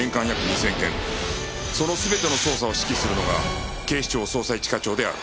その全ての捜査を指揮するのが警視庁捜査一課長である